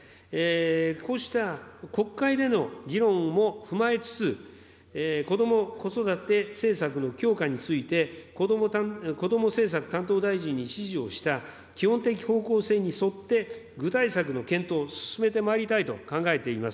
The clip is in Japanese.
こうした国会での議論も踏まえつつ、こども・子育て政策の強化について、こども政策担当大臣に指示をした基本的方向性に沿って、具体策の検討を進めてまいりたいと考えています。